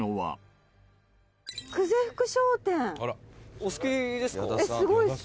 「お好きですか？」